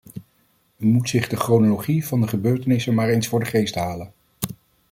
U moet zich de chronologie van de gebeurtenissen maar eens voor de geest halen.